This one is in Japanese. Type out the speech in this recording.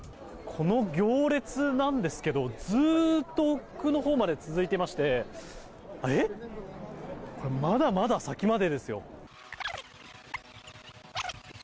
この行列なんですけどずっと奥のほうまで続いていましてまだまだ先までですよ。